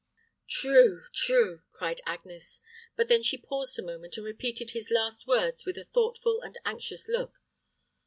"True, true," cried Agnes; but then she paused a moment, and repeated his last words with a thoughtful and anxious look.